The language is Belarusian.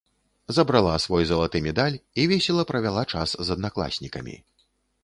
Забрала свой залаты медаль і весела правяла час з аднакласнікамі.